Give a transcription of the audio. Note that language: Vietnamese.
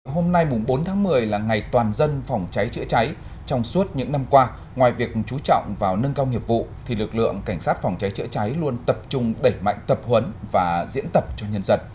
hôm nay bốn tháng một mươi là ngày toàn dân phòng cháy chữa cháy trong suốt những năm qua ngoài việc chú trọng vào nâng cao nghiệp vụ thì lực lượng cảnh sát phòng cháy chữa cháy luôn tập trung đẩy mạnh tập huấn và diễn tập cho nhân dân